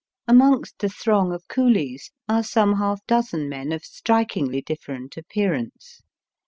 Amongst the throng of coolies are some half dozen men of strikingly different appear ance.